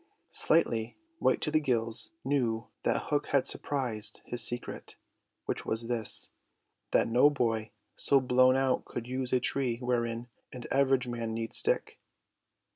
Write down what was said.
Slightly, white to the gills, knew that Hook had surprised his secret, which was this, that no boy so blown out could use a tree wherein an average man need stick.